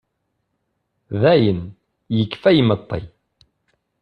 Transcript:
Dayen, yekfa imeṭṭi.